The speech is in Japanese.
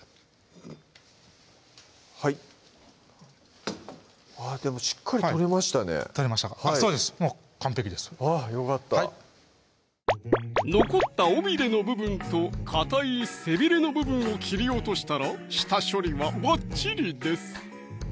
はいでもしっかり取れましたね取れましたかそうです完璧ですよかった残った尾びれの部分とかたい背びれの部分を切り落としたら下処理はばっちりです